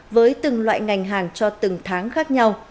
với từng loại ngành hàng cho từng tháng khác nhau